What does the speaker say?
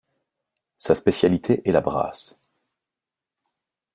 Sa spécialité est la brasse.